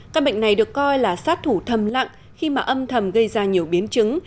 căn bệnh này được coi là sát thủ thầm lặng khi mà âm thầm gây ra nhiều biến chứng